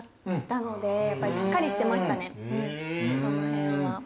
その辺は。